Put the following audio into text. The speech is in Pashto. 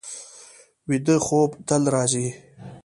ویده خوب تل راځي